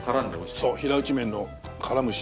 そう平打ち麺の絡むしね。